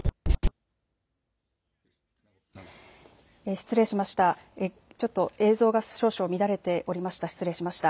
失礼しました。